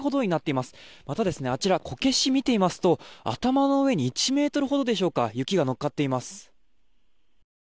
また、あちらこけしを見てみますと頭の上に１ｍほどでしょうか雪がのっかっています。